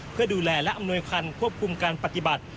เพื่อดูแลและอำนวยคันควบคุมการปฏิบัติ